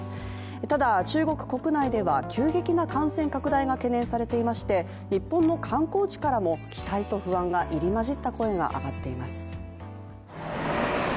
ただ、中国国内では急激な感染拡大が懸念されていまして日本の観光地からも期待と不安が入り交じった声が上がっています。